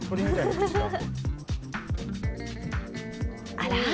あら？